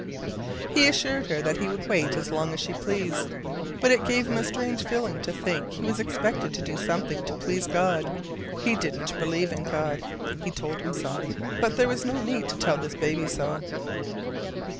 He assured her he would wait as long as she pleased, but it gave him a strange feeling to think he was expected to do something to please God. He didn't believe in God, he told himself, but there was no need to tell this baby so.